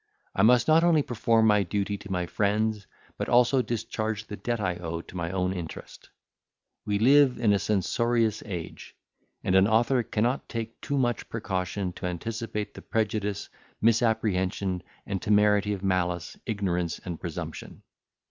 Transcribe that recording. I must not only perform my duty to my friends, but also discharge the debt I owe to my own interest. We live in a censorious age; and an author cannot take too much precaution to anticipate the prejudice, misapprehension, and temerity of malice, ignorance, and presumption.